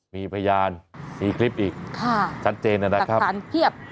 มีพยานมีคลิปอีกชัดเจนนะครับสารเพียบ